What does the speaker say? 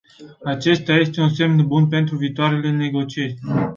Acesta este un semn bun pentru viitoarele negocieri.